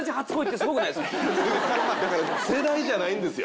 だから世代じゃないんですよ。